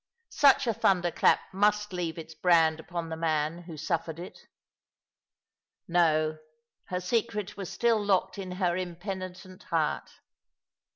Such a thunder clap must leave its brand upon the man who suffered it. No; her secret was still locked in her impenitent heart.